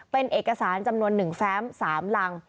เป็นเอกสารจำนวน๑แฟม๓รัง